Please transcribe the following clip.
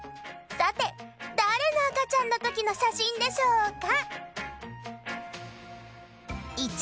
さて誰の赤ちゃんのときの写真でしょうか？